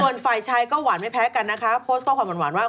ส่วนฝ่ายชายก็หวานไม่แพ้กันนะคะโพสต์ข้อความหวานว่า